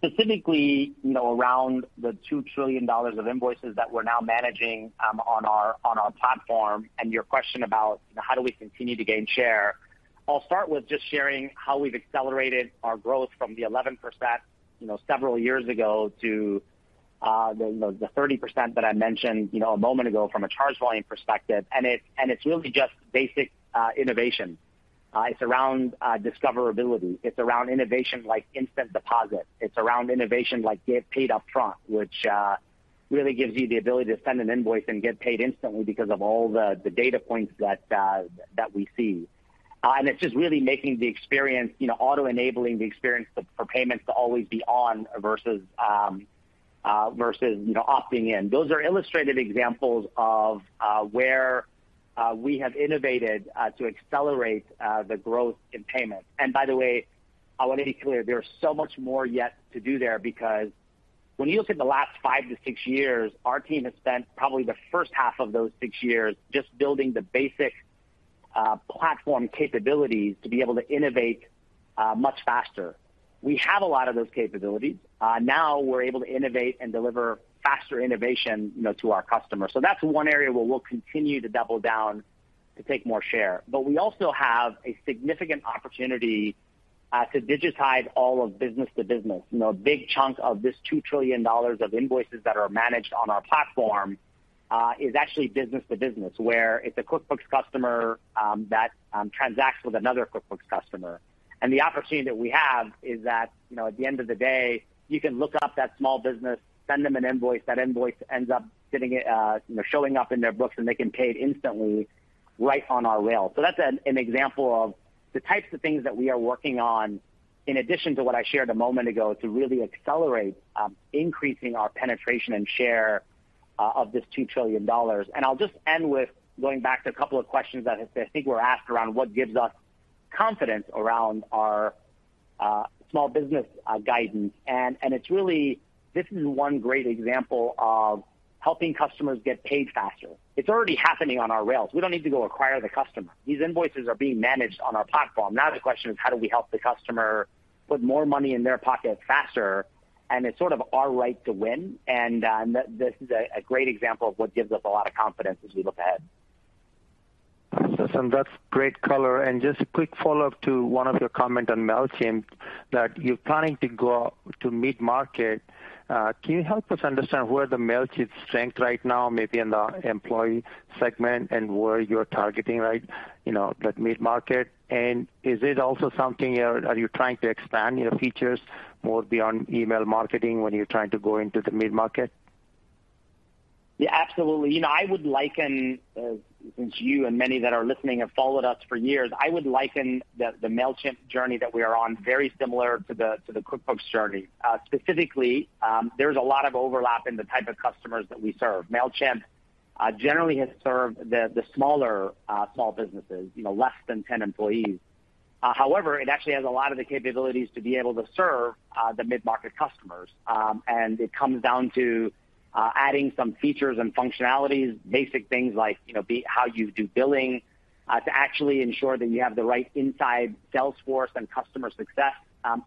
Specifically, you know, around the $2 trillion of invoices that we're now managing on our platform and your question about how do we continue to gain share, I'll start with just sharing how we've accelerated our growth from the 11% several years ago to the 30% that I mentioned a moment ago from a charge volume perspective. It's really just basic innovation. It's around discoverability. It's around innovation like instant deposit. It's around innovation like get paid upfront, which really gives you the ability to send an invoice and get paid instantly because of all the data points that we see. It's just really making the experience, you know, auto-enabling the experience for payments to always be on versus opting in. Those are illustrative examples of where we have innovated to accelerate the growth in payments. By the way, I wanna be clear, there's so much more yet to do there because when you look at the last five to six years, our team has spent probably the first half of those six years just building the basic platform capabilities to be able to innovate much faster. We have a lot of those capabilities. Now we're able to innovate and deliver faster innovation, you know, to our customers. That's one area where we'll continue to double down to take more share. We also have a significant opportunity to digitize all of business to business. You know, a big chunk of this $2 trillion of invoices that are managed on our platform is actually business to business, where it's a QuickBooks customer that transacts with another QuickBooks customer. The opportunity that we have is that, you know, at the end of the day, you can look up that small business, send them an invoice, that invoice ends up sitting, you know, showing up in their books, and they can pay it instantly right on our rail. That's an example of the types of things that we are working on in addition to what I shared a moment ago to really accelerate increasing our penetration and share of this $2 trillion. I'll just end with going back to a couple of questions that I think were asked around what gives us confidence around our small business guidance. It's really this is one great example of helping customers get paid faster. It's already happening on our rails. We don't need to go acquire the customer. These invoices are being managed on our platform. Now the question is, how do we help the customer put more money in their pocket faster? It's sort of our right to win, and this is a great example of what gives us a lot of confidence as we look ahead. Sasan, that's great color. Just a quick follow-up to one of your comment on Mailchimp that you're planning to go to mid-market. Can you help us understand where the Mailchimp strength right now, maybe in the employee segment and where you're targeting, right, you know, that mid-market? Is it also something you're trying to expand your features more beyond email marketing when you're trying to go into the mid-market? Yeah, absolutely. You know, since you and many that are listening have followed us for years, I would liken the Mailchimp journey that we are on very similar to the QuickBooks journey. Specifically, there's a lot of overlap in the type of customers that we serve. Mailchimp generally has served the small businesses, you know, less than 10 employees. However, it actually has a lot of the capabilities to be able to serve the mid-market customers. It comes down to adding some features and functionalities, basic things like, you know, how you do billing, to actually ensure that you have the right inside sales force and customer success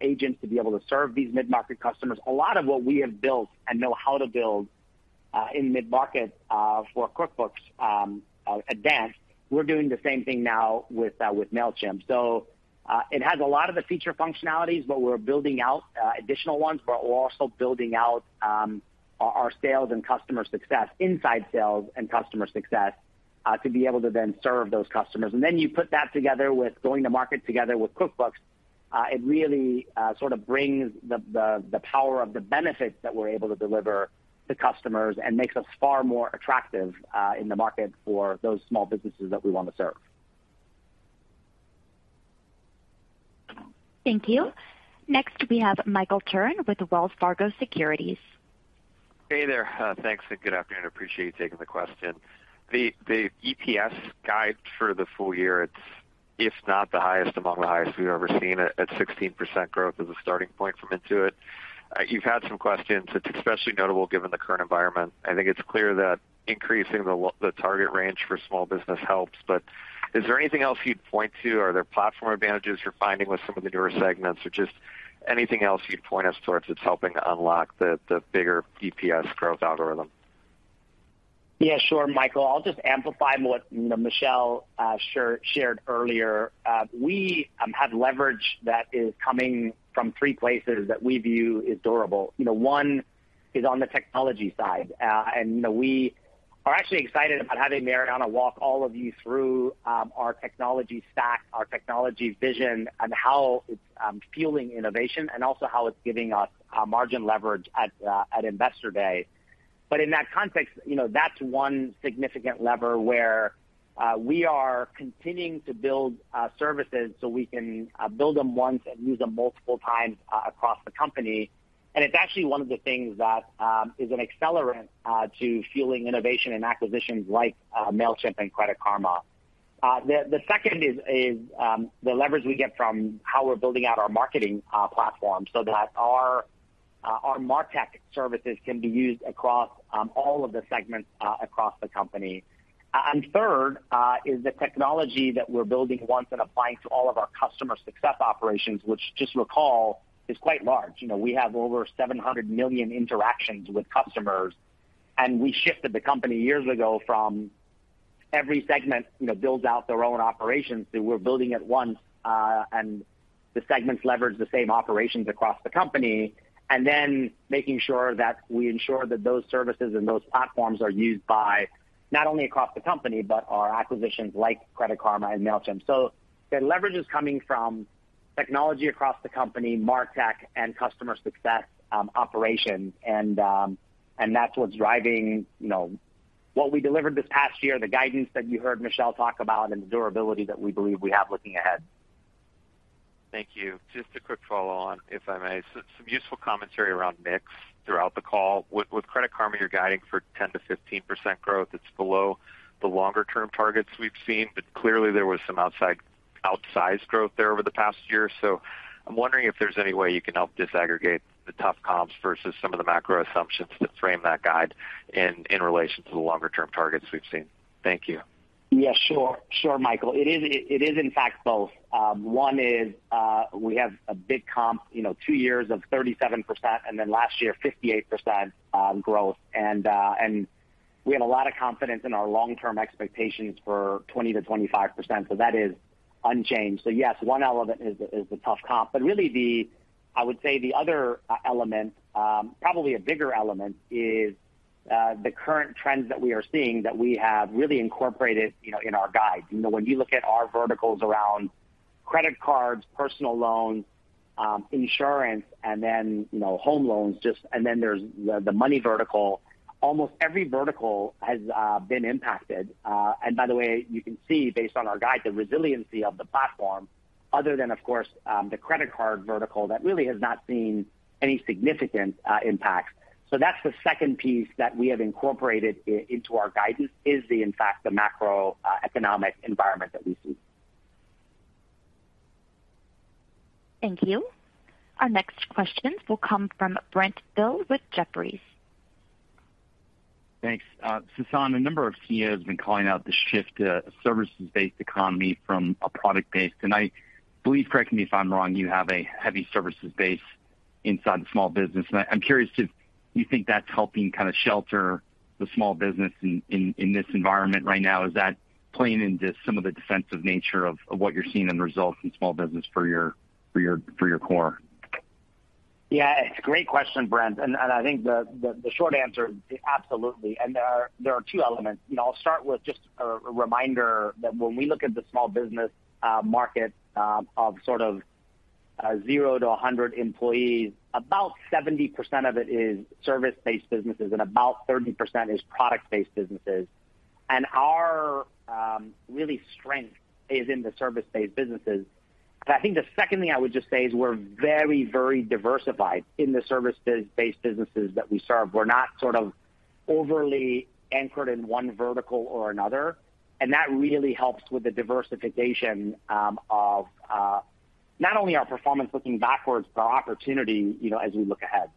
agents to be able to serve these mid-market customers. A lot of what we have built and know how to build in mid-market for QuickBooks Advanced, we're doing the same thing now with Mailchimp. It has a lot of the feature functionalities but we're building out additional ones, but we're also building out our sales and customer success, inside sales and customer success to be able to then serve those customers. You put that together with going to market together with QuickBooks, it really sort of brings the power of the benefits that we're able to deliver to customers and makes us far more attractive in the market for those small businesses that we wanna serve. Thank you. Next, we have Michael Turrin with Wells Fargo Securities. Hey there. Thanks and good afternoon. Appreciate you taking the question. The EPS guide for the full year, it's, if not the highest among the highest we've ever seen at 16% growth as a starting point from Intuit. You've had some questions. It's especially notable given the current environment. I think it's clear that increasing the target range for small business helps. Is there anything else you'd point to? Are there platform advantages you're finding with some of the newer segments or just anything else you'd point us towards that's helping to unlock the bigger EPS growth algorithm? Yeah, sure, Michael. I'll just amplify what Michelle shared earlier. We have leverage that is coming from three places that we view is durable. You know, one is on the technology side. We are actually excited about having Marianna walk all of you through our technology stack, our technology vision, and how it's fueling innovation and also how it's giving us margin leverage at Investor Day. In that context, you know, that's one significant lever where we are continuing to build services so we can build them once and use them multiple times across the company. It's actually one of the things that is an accelerant to fueling innovation and acquisitions like Mailchimp and Credit Karma. The second is the leverage we get from how we're building out our marketing platform so that our martech services can be used across all of the segments across the company. Third is the technology that we're building once and applying to all of our customer success operations, which just recall is quite large. You know, we have over 700 million interactions with customers and we shifted the company years ago from every segment, you know, builds out their own operations to we're building it once and the segments leverage the same operations across the company. Making sure that we ensure that those services and those platforms are used by not only across the company, but our acquisitions like Credit Karma and Mailchimp. The leverage is coming from technology across the company, martech, and customer success, operations. That's what's driving, you know, what we delivered this past year, the guidance that you heard Michelle talk about, and the durability that we believe we have looking ahead. Thank you. Just a quick follow-on, if I may. Some useful commentary around mix throughout the call. With Credit Karma, you're guiding for 10%-15% growth. It's below the longer-term targets we've seen, but clearly there was some outsized growth there over the past year. I'm wondering if there's any way you can help disaggregate the tough comps versus some of the macro assumptions that frame that guide in relation to the longer-term targets we've seen. Thank you. Yeah, sure. Sure, Michael. It is in fact both. One is we have a big comp, you know, two years of 37%, and then last year, 58% growth. We have a lot of confidence in our long-term expectations for 20%-25%, so that is unchanged. Yes, one element is the tough comp. Really, I would say the other element, probably a bigger element, is the current trends that we are seeing that we have really incorporated, you know, in our guide. You know, when you look at our verticals around credit cards, personal loans, insurance, and then home loans and then there's the money vertical, almost every vertical has been impacted. By the way, you can see, based on our guide, the resiliency of the platform, other than, of course, the credit card vertical that really has not seen any significant impacts. That's the second piece that we have incorporated into our guidance is, in fact, the macroeconomic environment that we see. Thank you. Our next questions will come from Brent Thill with Jefferies. Thanks. Sasan, a number of CEOs have been calling out the shift to a services-based economy from a product base. I believe, correct me if I'm wrong, you have a heavy services base. In small business. I'm curious if you think that's helping kinda shelter the small business in this environment right now. Is that playing into some of the defensive nature of what you're seeing in the results in small business for your core? Yeah. It's a great question, Brent. I think the short answer, absolutely. There are two elements. You know, I'll start with just a reminder that when we look at the small business market of sort of 0 to 100 employees, about 70% of it is service-based businesses and about 30% is product-based businesses. Our real strength is in the service-based businesses. I think the second thing I would just say is we're very diversified in the service-based businesses that we serve. We're not sort of overly anchored in one vertical or another, and that really helps with the diversification of not only our performance looking backwards, but opportunity, you know, as we look ahead.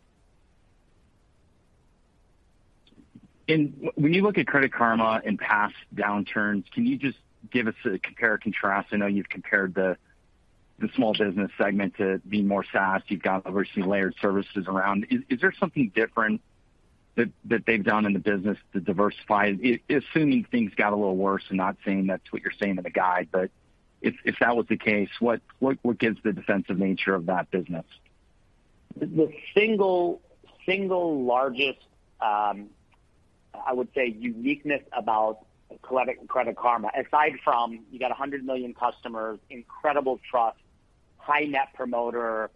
When you look at Credit Karma in past downturns, can you just give us a compare or contrast? I know you've compared the small business segment to be more SaaS. You've got obviously layered services around. Is there something different that they've done in the business to diversify? Assuming things got a little worse, I'm not saying that's what you're saying in the guide, but if that was the case, what gives the defensive nature of that business? The single largest, I would say uniqueness about Credit Karma, aside from you got 100 million customers, incredible trust, high net promoter,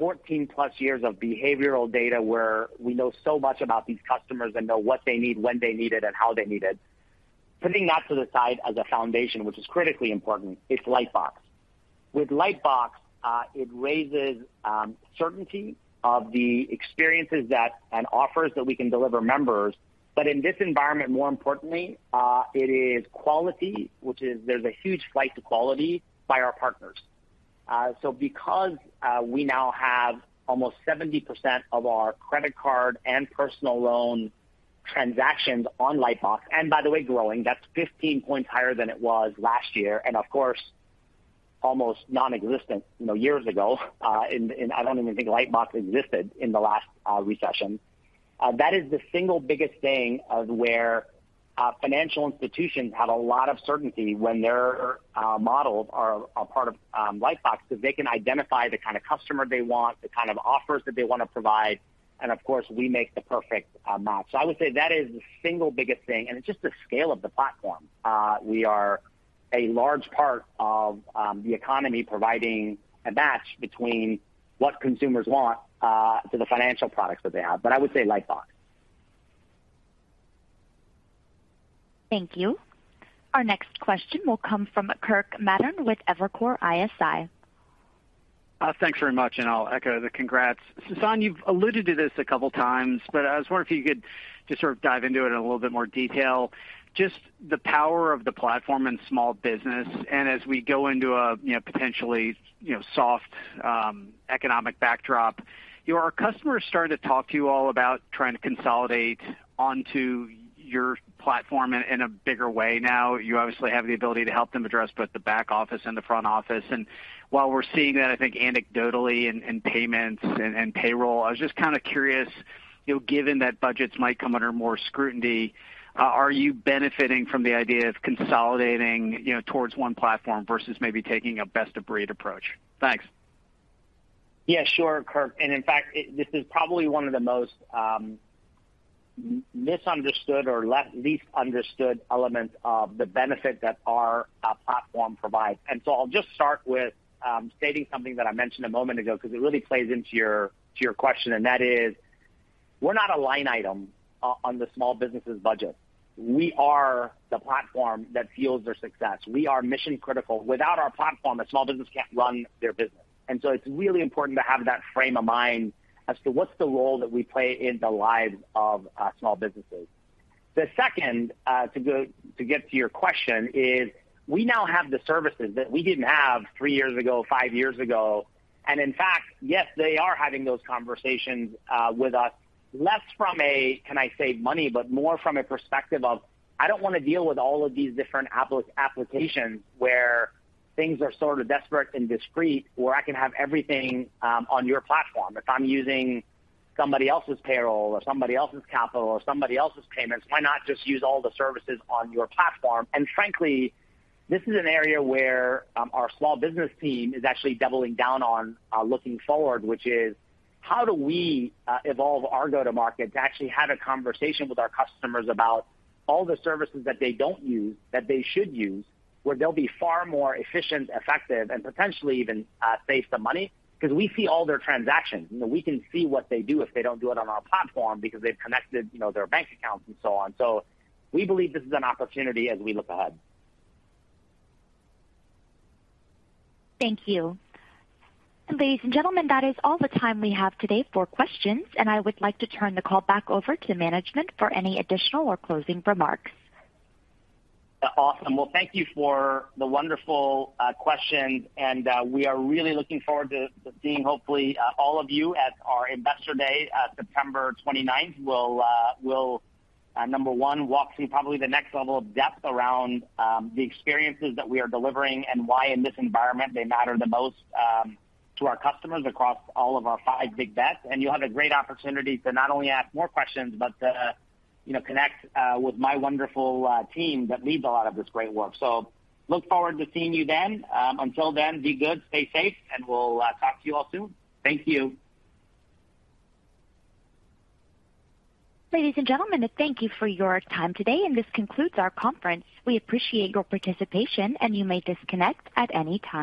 14+ years of behavioral data where we know so much about these customers and know what they need, when they need it, and how they need it. Putting that to the side as a foundation, which is critically important, it's Lightbox. With Lightbox, it raises certainty of the experiences that and offers that we can deliver members. But in this environment, more importantly, it is quality which is there's a huge flight to quality by our partners. Because we now have almost 70% of our credit card and personal loan transactions on Lightbox, and by the way, growing, that's 15 points higher than it was last year, and of course, almost nonexistent, you know, years ago. I don't even think Lightbox existed in the last recession. That is the single biggest thing of where financial institutions have a lot of certainty when their models are a part of Lightbox because they can identify the kinda customer they want, the kind of offers that they wanna provide, and of course, we make the perfect match. I would say that is the single biggest thing. It's just the scale of the platform. We are a large part of the economy providing a match between what consumers want to the financial products that they have. I would say Lightbox. Thank you. Our next question will come from Kirk Materne with Evercore ISI. Thanks very much. I'll echo the congrats. Sasan, you've alluded to this a couple times, but I was wondering if you could just sort of dive into it in a little bit more detail. Just the power of the platform in small business, and as we go into a you know potentially you know soft economic backdrop. You know, are customers starting to talk to you all about trying to consolidate onto your platform in a bigger way now? You obviously have the ability to help them address both the back office and the front office. While we're seeing that, I think anecdotally in payments and payroll, I was just kinda curious, you know, given that budgets might come under more scrutiny, are you benefiting from the idea of consolidating, you know, towards one platform versus maybe taking a best of breed approach? Thanks. Yeah, sure, Kirk. In fact, it, this is probably one of the most misunderstood or least understood elements of the benefit that our platform provides. I'll just start with stating something that I mentioned a moment ago because it really plays into your question and that is we're not a line item on the small businesses' budget. We are the platform that fuels their success. We are mission critical. Without our platform, a small business can't run their business. It's really important to have that frame of mind as to what's the role that we play in the lives of small businesses. The second to get to your question is we now have the services that we didn't have three years ago, five years ago. In fact, yes, they are having those conversations with us less from a "can I save money" but more from a perspective of I don't wanna deal with all of these different applications where things are sort of separate and discrete where I can have everything on your platform. If I'm using somebody else's payroll or somebody else's capital or somebody else's payments, why not just use all the services on your platform? Frankly, this is an area where our small business team is actually doubling down on looking forward, which is how do we evolve our go-to-market to actually have a conversation with our customers about all the services that they don't use that they should use, where they'll be far more efficient, effective, and potentially even save some money? Because we see all their transactions. You know, we can see what they do if they don't do it on our platform because they've connected, you know, their bank accounts and so on. We believe this is an opportunity as we look ahead. Thank you. Ladies and gentlemen, that is all the time we have today for questions and I would like to turn the call back over to management for any additional or closing remarks. Awesome. Well, thank you for the wonderful questions, and we are really looking forward to seeing hopefully all of you at our Investor Day at September 29th. We'll number one, walk through probably the next level of depth around the experiences that we are delivering and why in this environment they matter the most to our customers across all of our five big bets. You'll have a great opportunity to not only ask more questions, but to, you know, connect with my wonderful team that leads a lot of this great work. Look forward to seeing you then. Until then, be good, stay safe, and we'll talk to you all soon. Thank you. Ladies and gentlemen, thank you for your time today and this concludes our conference. We appreciate your participation and you may disconnect at any time.